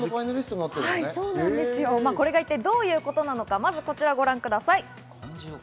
これが一体どういうことなのか、ご覧ください。